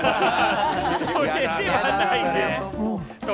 それではないです。